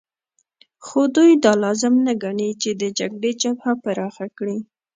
خو دوی دا لازم نه ګڼي چې د جګړې جبهه پراخه کړي